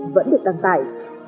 vẫn được đăng tải